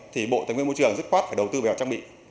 thì bộ tài nguyên môi trường rất khoát phải đầu tư vào trang bị